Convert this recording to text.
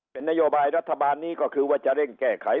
เป็นนโยบายรัฐบาลนี้ก็คือว่าจะเร่งแก้ไข